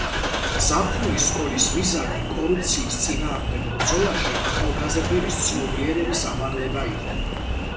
ზაფხულის სკოლის მიზანი კორუფციის წინააღმდეგ ბრძოლაში ახალგაზრდების ცნობიერების ამაღლება იყო.